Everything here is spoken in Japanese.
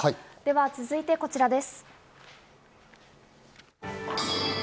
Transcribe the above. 続いてはこちらです。